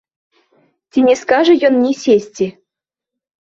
Ці не скажа ён мне сесці.